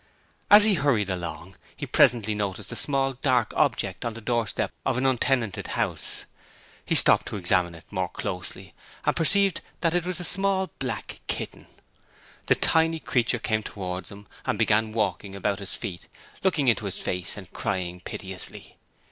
As he hurried along he presently noticed a small dark object on the doorstep of an untenanted house. He stopped to examine it more closely and perceived that it was a small black kitten. The tiny creature came towards him and began walking about his feet, looking into his face and crying piteously.